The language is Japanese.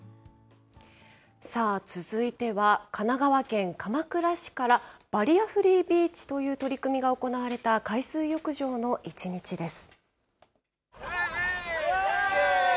続いては、神奈川県鎌倉市からバリアフリービーチという取り組みが行われた海水浴場の一日です。